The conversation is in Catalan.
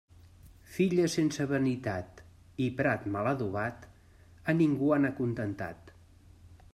Filla sense vanitat i prat mal adobat a ningú han acontentat.